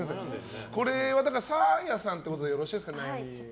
これは、サーヤさんということでよろしいですかね、悩み。